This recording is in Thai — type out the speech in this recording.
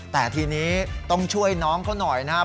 แต่ทีนี้ต้องช่วยน้องเขาหน่อยนะครับ